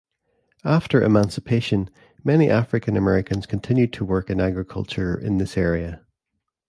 After emancipation, many African Americans continued to work in agriculture in this area.